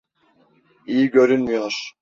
İyi görünmüyor.